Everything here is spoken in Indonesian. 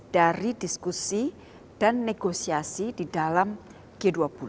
dari diskusi dan negosiasi di dalam g dua puluh